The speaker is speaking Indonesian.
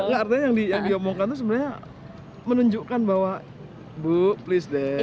enggak artinya yang diomongkan itu sebenarnya menunjukkan bahwa bu please deh